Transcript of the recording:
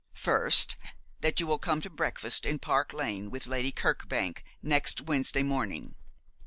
'First, that you will come to breakfast in Park Lane with Lady Kirkbank next Wednesday morning.